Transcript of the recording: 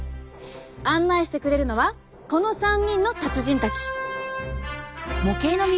案内してくれるのはこの３人の達人たち！